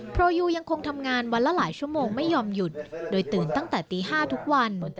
โรยูยังคงทำงานวันละหลายชั่วโมงไม่ยอมหยุดโดยตื่นตั้งแต่ตี๕ทุกวัน